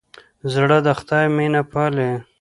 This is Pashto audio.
زړه د خدای مینه پالي.